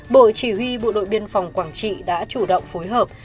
bộ chỉ huy bộ đội biên phòng quảng trị đã chủ động phối hợp